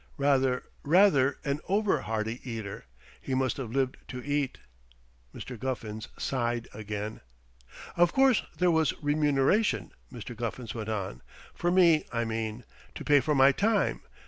Rather rather an over hearty eater. He must have lived to eat." Mr. Guffins sighed again. "Of course there was remuneration," Mr. Guffins went on. "For me, I mean. To pay for my time.